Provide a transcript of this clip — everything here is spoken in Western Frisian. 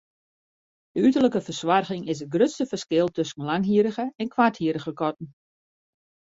De uterlike fersoarging is it grutste ferskil tusken langhierrige en koarthierrige katten.